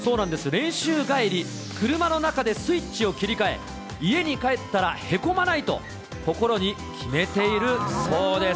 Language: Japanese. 練習帰り、車の中でスイッチを切り替え、家に帰ったらへこまないと心に決めているそうです。